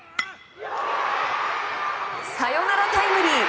サヨナラタイムリー！